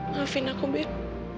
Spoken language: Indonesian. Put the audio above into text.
maafin aku ben